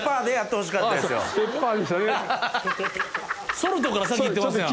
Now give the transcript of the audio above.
ソルトから先いってますやん。